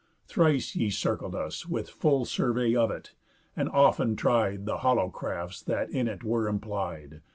Thrice ye circled us With full survey of it; and often tried The hollow crafts that in it were implied.